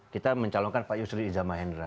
kita mencalonkan pak yusri iza mahendra